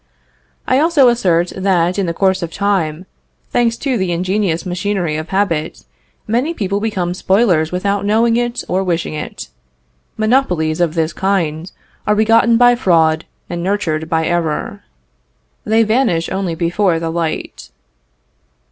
I also assert that, in the course of time, thanks to the ingenious machinery of habit, many people become spoilers without knowing it or wishing it. Monopolies of this kind are begotten by fraud and nurtured by error. They vanish only before the light.